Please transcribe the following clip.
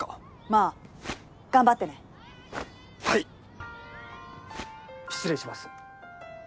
まあ頑張ってねはい失礼します